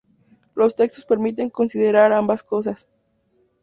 Los textos permiten considerar ambas cosas.